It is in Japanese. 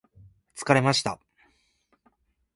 疲れました